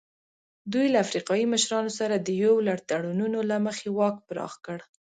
دوی له افریقایي مشرانو سره د یو لړ تړونونو له مخې واک پراخ کړ.